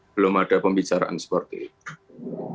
belum ada pembicaraan seperti itu